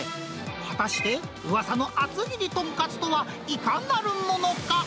果たして、うわさの厚切り豚カツとはいかなるものか？